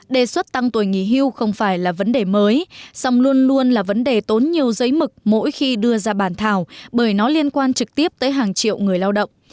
đề xuất tăng tuổi nghỉ hưu không phải là vấn đề mới song luôn luôn là vấn đề tốn nhiều giấy mực mỗi khi đưa ra bản thảo bởi nó liên quan trực tiếp tới hàng triệu người lao động